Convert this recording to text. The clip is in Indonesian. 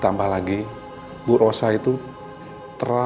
terima kasih bukan di follow di indonesia